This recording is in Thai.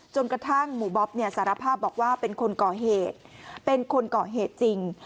กระทั่งหมู่บ๊อบเนี่ยสารภาพบอกว่าเป็นคนก่อเหตุเป็นคนก่อเหตุจริง